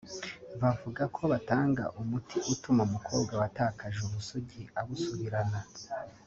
bavuga ko batanga umuti utuma umukobwa watakaje ubusugi abusubirana